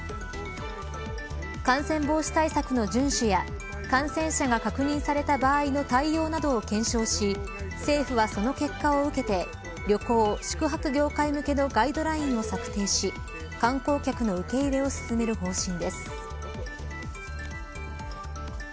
感染防止対策の順守や感染者が確認された場合の対応などを検証し政府はその結果を受けて旅行、宿泊業界向けのガイドラインを策定し観光客の受け入れを進める方針です。